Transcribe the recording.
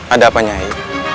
ada apa nyai